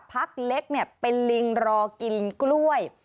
พักเล็กเป็นลิงรอกินกล้วย